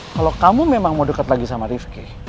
kalau kamu memang mau deket lagi sama rifki